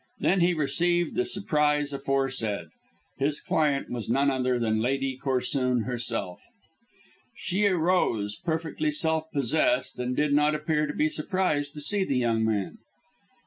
Then he received the surprise aforesaid. His client was none other than Lady Corsoon herself. She arose, perfectly self possessed, and did not appear to be surprised to see the young man.